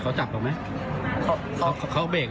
เค้าคุยกับผมแล้วบอก